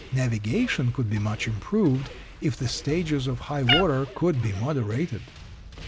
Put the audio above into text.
Navigation could be much improved if the stages of high water could be moderated.